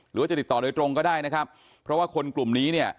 หรือว่าจะติดต่อโดยตรงก็ได้นะครับเพราะว่าคนกลุ่มนี้เนี่ย